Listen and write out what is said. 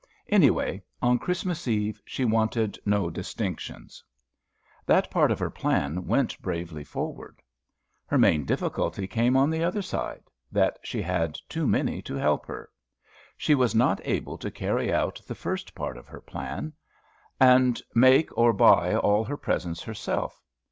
Any way, on Christmas eve, she wanted no distinctions. That part of her plan went bravely forward. Her main difficulty came on the other side, that she had too many to help her. She was not able to carry out the first part of her plan, and make or buy all her presents herself.